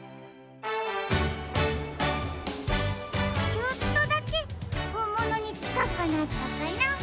ちょっとだけほんものにちかくなったかな。